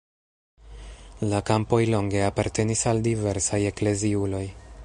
La kampoj longe apartenis al diversaj ekleziuloj.